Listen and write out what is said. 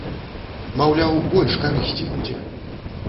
Маўляў, больш карысці будзе.